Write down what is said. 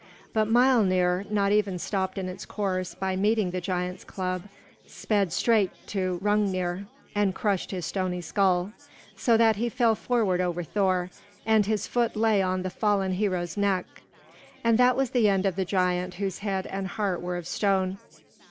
But Miölnir, not even stopped in its course by meeting the giant's club, sped straight to Hrungnir and crushed his stony skull, so that he fell forward over Thor, and his foot lay on the fallen hero's neck. And that was the end of the giant whose head and heart were of stone.